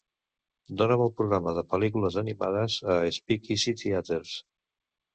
Dóna'm el programa de pel·lícules animades a Speakeasy Theaters